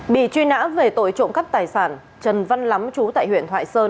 bị truy nã về tội trộm cắp tài sản trần văn lắm chú tại huyện thoại sơn